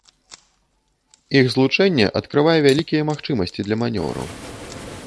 Іх злучэнне адкрывае вялікія магчымасці для манеўраў.